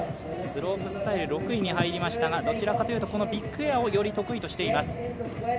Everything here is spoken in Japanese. スロープスタイル６位に入りましたが、どちらかというとこのビッグエアをより得意としています。